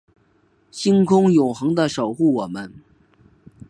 星空永恒的守护我们